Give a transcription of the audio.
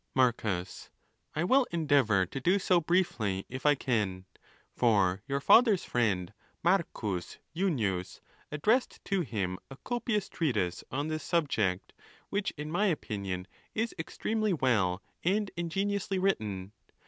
_ Marcus.,—I will endeavour to do so briefly, if I can ; for your father's friend, M. Junius, addressed to him a copious treatise on this subject, which, in my opinion, is extremely well and ingeniously written.